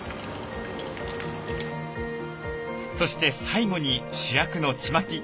そして最後に主役のチマキ。